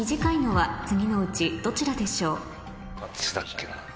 どっちだっけなぁ？